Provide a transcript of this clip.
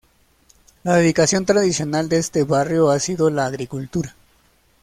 La dedicación tradicional de este barrio ha sido la agricultura.